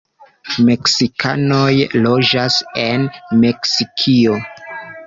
Meksikanoj loĝas en Meksikio.